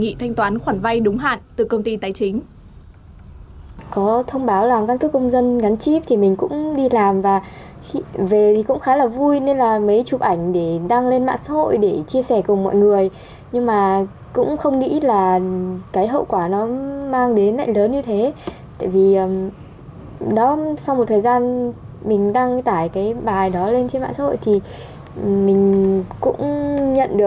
chị lệ đã đề nghị thanh toán khoản vay đúng hạn từ công ty tài chính